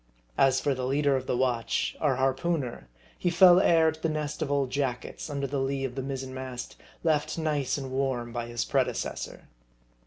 As for the leader of the watch our harpooneer he fell heir to the nest of old jackets, under the lee of the mizzen mast, left nice and warm by his pre decessor.